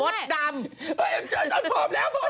เฮ่ยเป็นตัวนี้พอด้วย